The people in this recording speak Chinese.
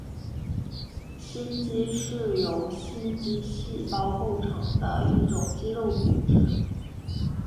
心肌是由心肌细胞构成的一种肌肉组织。